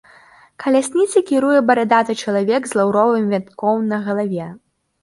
Калясніцай кіруе барадаты чалавек з лаўровым вянком на галаве.